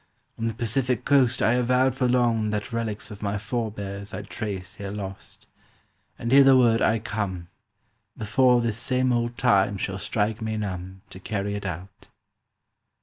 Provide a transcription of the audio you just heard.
On the Pacific coast I have vowed for long that relics of my forbears I'd trace ere lost, "And hitherward I come, Before this same old Time shall strike me numb, To carry it out."